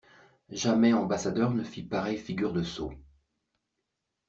Jamais ambassadeur ne fit pareille figure de sot!